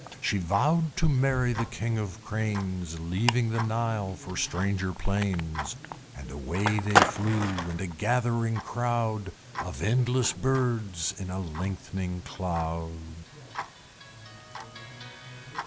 She vowed to marry the King of the Cranes, Leaving the Nile for stranger plains; And away they flew in a gathering crowd Of endless birds in a lengthening cloud.